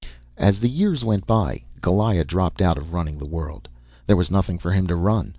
As the years went by, Goliah dropped out of the running of the world. There was nothing for him to run.